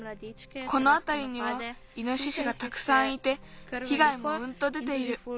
このあたりにはイノシシがたくさんいてひがいもうんと出ている。